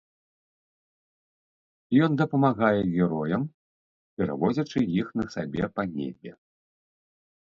Ён дапамагае героям, перавозячы іх на сабе па небе.